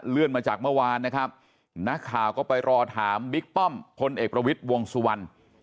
มาจากเมื่อวานนะครับนักข่าวก็ไปรอถามบิ๊กป้อมพลเอกประวิทย์วงสุวรรณ